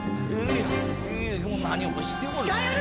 何をしておる。